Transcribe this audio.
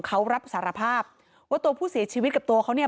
เขารับสารภาพว่าตัวผู้เสียชีวิตกับตัวเขาเนี่ย